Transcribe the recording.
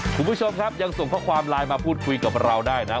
คุณผู้ชมครับยังส่งข้อความไลน์มาพูดคุยกับเราได้นะ